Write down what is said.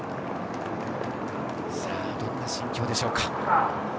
どんな心境でしょうか。